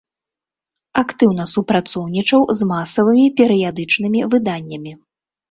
Актыўна супрацоўнічаў з масавымі перыядычнымі выданнямі.